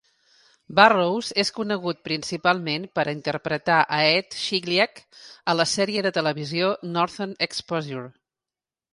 Burrows és conegut principalment per interpretar a Ed Chigliak a la sèrie de televisió "Northern Exposure".